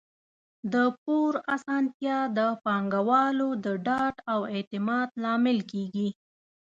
د پور اسانتیا د پانګوالو د ډاډ او اعتماد لامل کیږي.